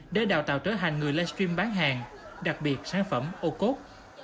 để đào tạo trở thành người livestream bán hàng đặc biệt sản phẩm ocob